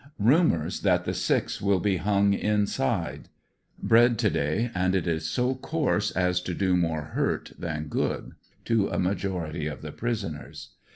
Rumors that the six will be hung inside. Bread to day and it is so coarse as to do more hurt than good to a major ity of the prisoners.